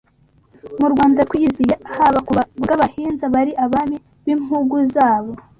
Mu Rwanda twiyiziye, haba ku bw’Abahinza bari Abami b’impugu zabo